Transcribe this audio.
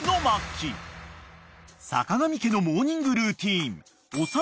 ［坂上家のモーニングルーティン］